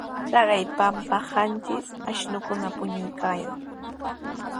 Taqay pampatraw qanchis ashnukuna puñuraykaayan.